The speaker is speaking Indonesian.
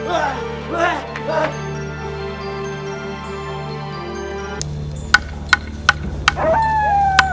terima kasih juga yang pondok